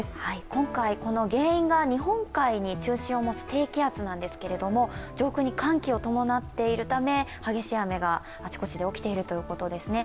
今回、原因が日本海に中心を持つ低気圧なんですが上空に寒気を伴っているため、激しい雨があちこちで起きているということですね。